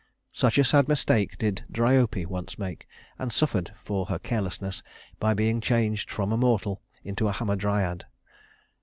Such a sad mistake did Dryope once make, and suffered for her carelessness by being changed from a mortal into a Hamadryad.